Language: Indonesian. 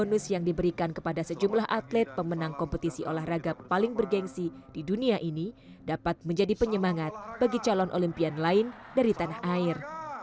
bonus yang diberikan kepada sejumlah atlet pemenang kompetisi olahraga paling bergensi di dunia ini dapat menjadi penyemangat bagi calon olimpian lain dari tanah air